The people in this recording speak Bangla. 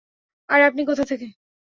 আর আপনি কোথা থেকে?